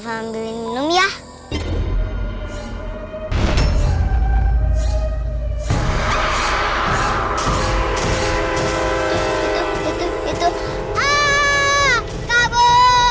ambil minum ya itu itu itu kabur